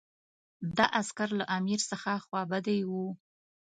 دا عسکر له امیر څخه خوابدي وو.